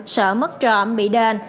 sợ mất trộm bị đền